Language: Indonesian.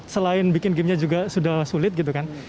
selain bikin game nya juga sudah sulit gitu kan